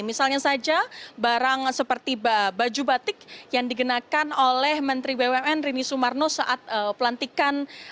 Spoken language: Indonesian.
misalnya saja barang seperti baju batik yang digenakan oleh menteri bumn rini sumarno saat pelantikan